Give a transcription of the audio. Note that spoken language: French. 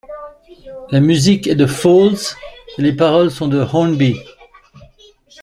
La musique est de Folds et les paroles sont de Hornby.